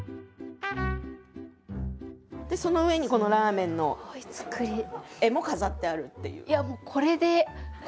でその上にこのラーメンの絵も飾ってあるっていう。